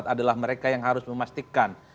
adalah mereka yang harus memastikan